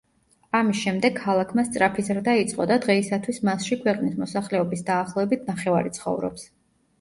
ამის შემდეგ ქალაქმა სწრაფი ზრდა იწყო და დღეისათვის მასში ქვეყნის მოსახლეობის დაახლოებით ნახევარი ცხოვრობს.